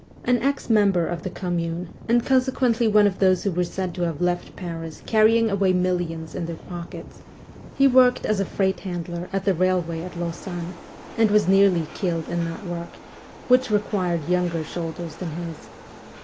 An ex member of the Commune, and conse quently one of those who were said to have left Paris carrying away millions in their pockets, he worked as a freight handler at the railway at Lausanne, and was nearly killed in that work, which required younger shoulders than his.